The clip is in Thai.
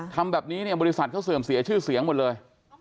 ทำแบบนี้เนี่ยบริษัทเขาเสื่อมเสียชื่อเสียงหมดเลย